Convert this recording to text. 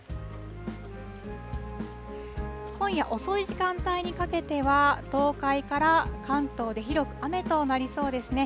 今夜遅い時間帯にかけては、東海から関東で広く雨となりそうですね。